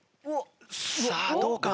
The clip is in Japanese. さあどうか？